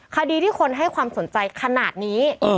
คดีที่คนให้ความสนใจขนาดนี้